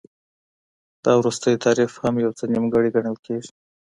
دا وروستی تعریف هم یو څه نیمګړی ګڼل کیږي.